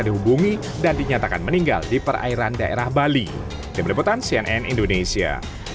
dihubungi dan dinyatakan meninggal di perairan daerah bali di meliputan cnn indonesia